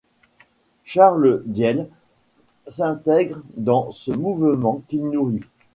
Charles Diehl s'intègre dans ce mouvement qu'il nourrit.